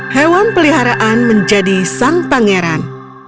hewan peliharaan menjadi sang pangeran